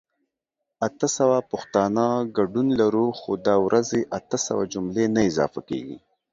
اته سوه پښتانه ګډون لرو خو دا ورځې اته سوه جملي نه اضافه کيږي